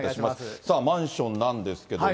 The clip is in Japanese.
マンションなんですけれども。